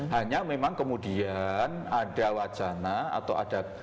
hanya memang kemudian ada wacana atau ada